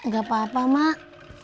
gak apa apa mak